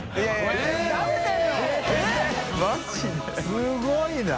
すごいな！